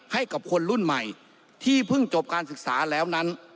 ให้กับคนรุ่นใหม่ที่เพิ่งจบการศึกษาแล้วนั้น